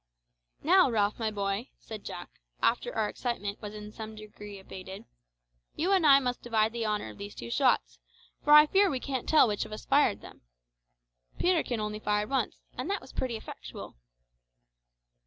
"Now, Ralph, my boy," said Jack, after our excitement was in some degree abated, "you and I must divide the honour of these two shots, for I fear we can't tell which of us fired them. Peterkin only fired once, and that was pretty effectual."